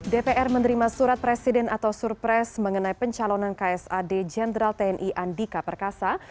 dpr menerima surat presiden atau surpres mengenai pencalonan ksad jenderal tni andika perkasa